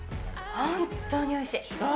本当においしい。